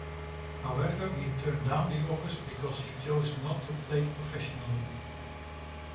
However, he turned down the offers because he chose not to play professionally.